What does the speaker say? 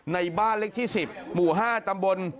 ในบ้านเลขที่๑๐หมู่๕ตำบล